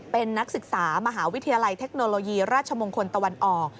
เป็นนักศึกษามหาวิทยาลัยเทคโนโลยีราชมงคลตะวันออก